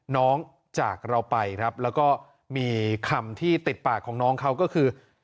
จากเราไปครับแล้วก็มีคำที่ติดปากของน้องเขาก็คือ